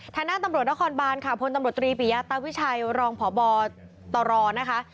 หน้าตำรวจนครบานค่ะพลตำรวจตรีปิยาตาวิชัยรองพบตรนะคะ